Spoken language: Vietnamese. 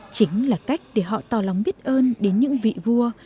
chính là cách để họ tỏ lòng biết ơn đến những vị vua